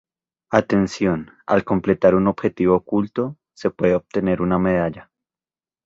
Atención: Al completar un objetivo oculto, se puede obtener una medalla.